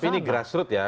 tapi ini grassroot ya